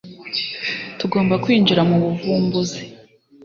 tugomba kwinjira mu buvumbuzi